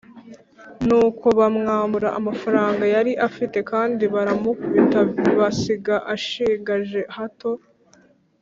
Nuko bamwambura amafaranga yari afite kandi baramukubita basiga ashigaje hato